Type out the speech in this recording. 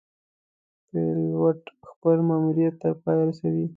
پیلوټ خپل ماموریت تر پایه رسوي.